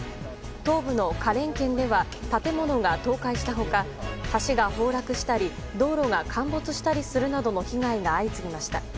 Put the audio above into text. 東部の花蓮県では建物が倒壊した他橋が崩落したり道路が陥没したりするなどの被害が相次ぎました。